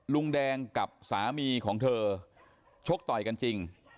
ลุงแดงกับสามีของเธอชกต่อยกันจริง